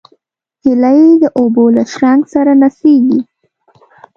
هیلۍ د اوبو له شرنګ سره نڅېږي